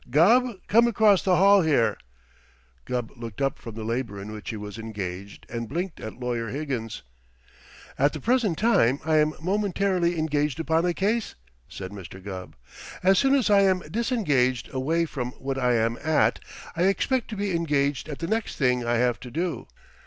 "Gubb, come across the hall here!" Gubb looked up from the labor in which he was engaged and blinked at Lawyer Higgins. "At the present time I am momently engaged upon a case," said Mr. Gubb. "As soon as I am disengaged away from what I am at, I expect to be engaged at the next thing I have to do.